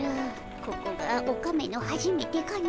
ここがオカメのはじめてかの。